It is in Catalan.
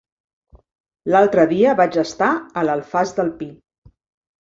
L'altre dia vaig estar a l'Alfàs del Pi.